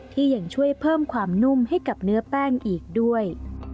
ยังช่วยเพิ่มความนุ่มให้กับเนื้อแป้งอีกด้วย